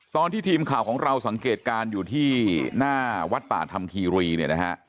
ตอนที่ทีมข่าวของเราสังเกตการณ์อยู่ที่หน้าวัดป่าธรรมคีรีเนี่ยนะฮะ